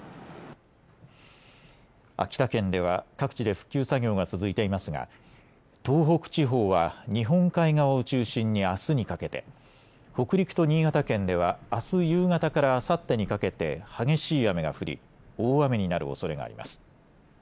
秋田県では各地で復旧作業が続いていますが東北地方は日本海側を中心にあすにかけて、北陸と新潟県ではあす夕方からあさってにかけて激しい雨が降り大雨になるおそれがあります。